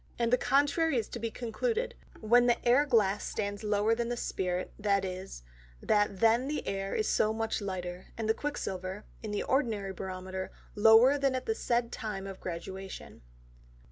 And the contrary is to be concluded, when the Air glass stands lower than the Spirit, viz. that then the Air is so much lighter, and the Quick silver, in the ordinary Barometer lower than at the said time of Graduation.